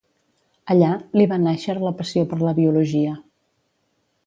Allà li va nàixer la passió per la biologia.